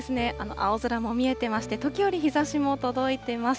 青空も見えてまして、時折、日ざしも届いてます。